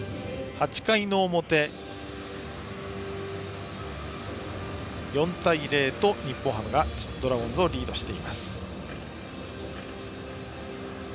８回の表、４対０と日本ハムがドラゴンズをリードしています。